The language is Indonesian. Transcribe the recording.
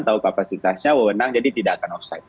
tahu kapasitasnya wewenang jadi tidak akan offside